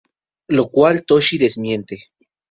Lo cual Toshi desmiente.